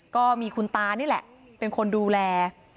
ก็มีคุณตานี่แหละเป็นคนดูแล